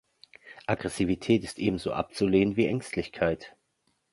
Aggressivität ist ebenso abzulehnen wie Ängstlichkeit.